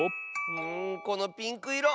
うんこのピンクいろ